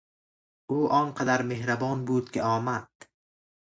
او آنقدر مهربان بود که آمد.